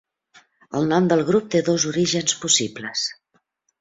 El nom del grup té dos orígens possibles.